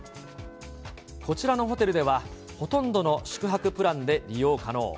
こちらのホテルでは、ほとんどの宿泊プランで利用可能。